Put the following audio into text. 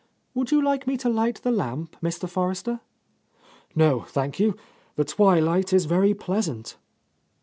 "Would you like me to light the lamp, Mr. Forrester?" "No, thank you. The twilight is very pleas ant."